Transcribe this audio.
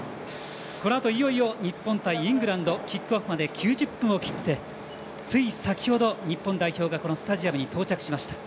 このあと、いよいよ日本対イングランドキックオフまで、９０分を切ってつい先ほど、日本代表がこのスタジアムに到着しました。